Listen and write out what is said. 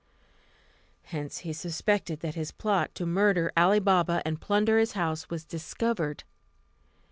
Hence he suspected that his plot to murder Ali Baba, and plunder his house, was discovered.